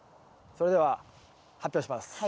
それでは発表します。